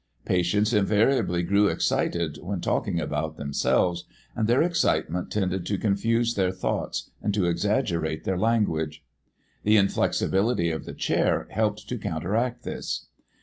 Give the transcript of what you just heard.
Patients invariably grew excited when talking about themselves, and their excitement tended to confuse their thoughts and to exaggerate their language. The inflexibility of the chair helped to counteract this.